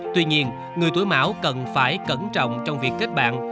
tuy nhiên người tuổi mão cần phải cẩn trọng trong việc kết bạn